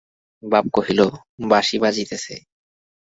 বাপ কহিল, বাঁশি বাজিতেছে।